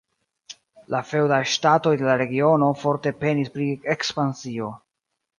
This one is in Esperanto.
La feŭdaj ŝtatoj de la regiono forte penis pri ekspansio.